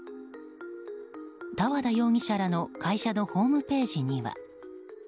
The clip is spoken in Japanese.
多和田容疑者らの会社のホームページには。